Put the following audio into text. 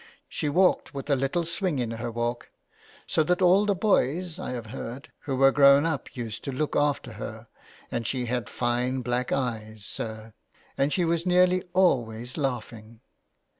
" She walked with a little swing in her walk, so that all the boys, I have, heard, who were grown up used to look after her and she had fine black eyes, sir, and she was nearly always laughing.